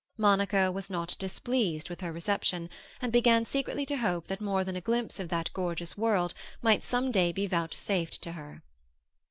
Monica was not displeased with her reception, and began secretly to hope that more than a glimpse of that gorgeous world might some day be vouchsafed to her.